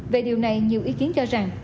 về điều này nhiều ý kiến cho rằng